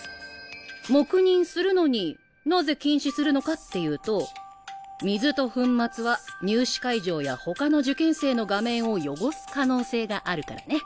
黙認するのになぜ禁止するのかっていうと水と粉末は入試会場やほかの受験生の画面を汚す可能性があるからね。